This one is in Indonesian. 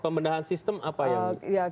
pembedahan sistem apa yang jadi catatan